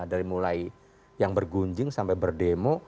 dari mulai yang bergunjing sampai berdemo